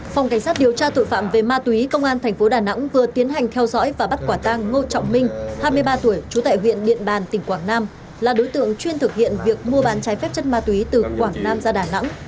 phòng cảnh sát điều tra tội phạm về ma túy công an tp đà nẵng vừa tiến hành theo dõi và bắt quả tăng ngô trọng minh hai mươi ba tuổi trú tại huyện điện bàn tỉnh quảng nam là đối tượng chuyên thực hiện việc mua bán trái phép chất ma túy từ quảng nam ra đà nẵng